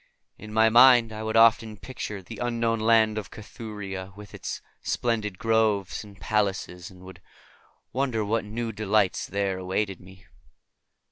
In my mind I would often picture the unknown Land of Cathuria with its splendid groves and palaces, and would wonder what new delights there awaited me.